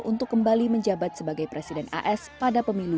untuk kembali menjabat sebagai presiden as pada pemilu dua ribu dua puluh empat